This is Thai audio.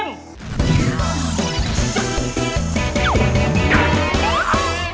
ไซค์